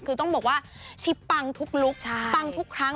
คือต้องบอกว่าชิปปังทุกลุคปังทุกครั้ง